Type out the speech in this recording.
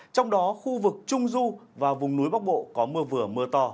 trong đó khu vực trung du và vùng núi bắc bộ có mưa vừa mưa to